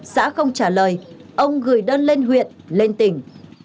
xã không trả lời ông gửi đơn lên huyện lên tỉnh